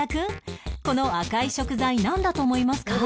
この赤い食材なんだと思いますか？